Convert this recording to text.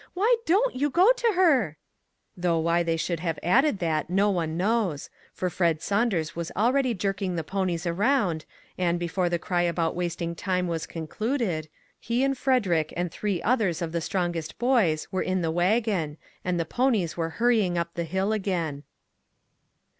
Why don't you go to her ?" Though why they should have added that, no one knows ; for Ned Saun ders was already jerking the ponies around, and, before the cry about wasting time was con cluded, he and Frederick and three others of the strongest boys were in the wagon, and the ponies were hurrying up the hill again.